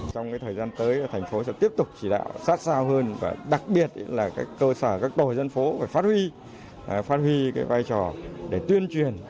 trong thời gian tới thành phố sẽ tiếp tục chỉ đạo sát sao hơn và đặc biệt là các cơ sở các tổ dân phố phải phát huy phát huy vai trò để tuyên truyền